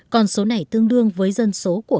con số này tương đương với dân số của cả nước anh